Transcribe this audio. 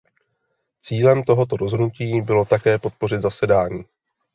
Cílem tohoto rozhodnutí bylo také podpořit zasedání.